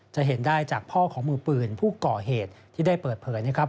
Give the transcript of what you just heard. จะเห็นได้จากพ่อของมือปืนผู้ก่อเหตุที่ได้เปิดเผยนะครับ